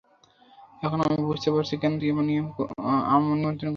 এখন আমি বুঝতে পারছি কেন তুই আমার নিমন্ত্রণ গ্রহণ করেছিস!